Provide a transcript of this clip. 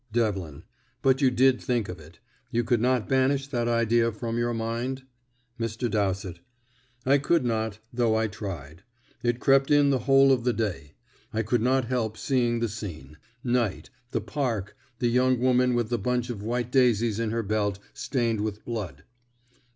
Devlin: "But you did think of it. You could not banish that idea from your mind?" Mr. Dowsett: "I could not, though I tried. It crept in the whole of the day. I could not help seeing the scene. Night the park the young woman with the bunch of white daisies in her belt stained with blood."